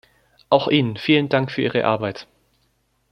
Auch Ihnen vielen Dank für Ihre Arbeit.